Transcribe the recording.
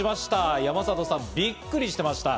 山里さん、びっくりしていました。